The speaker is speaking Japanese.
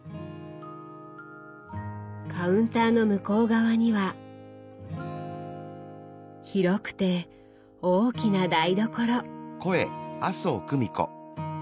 カウンターの向こう側には広くて大きな台所。